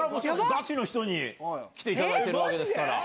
ガチの人に来ていただいているわけですから。